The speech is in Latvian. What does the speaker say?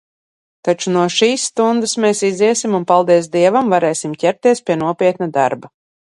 Taču no šīs stundas mēs iziesim un, paldies Dievam, varēsim ķerties pie nopietna darba.